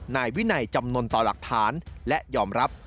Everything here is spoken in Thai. นายวินัยจำนวนต่อหลักฐานและยอมรับ